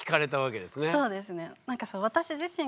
そうですね。